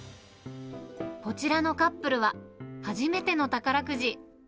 こちらのカップルは、初めての宝くじ。